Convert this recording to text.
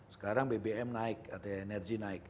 sekarang bbm naik